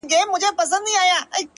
• سړي وویله ورک یمه حیران یم ,